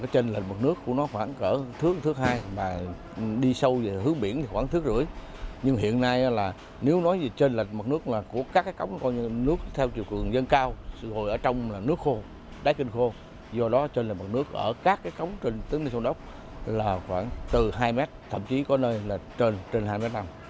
trên mặt nước của các cống nước theo trường cường dâng cao sự hồi ở trong là nước khô đáy trên khô do đó trên mặt nước ở các cống trên tướng đi sông đốc là khoảng từ hai mét thậm chí có nơi là trên hai trăm linh năm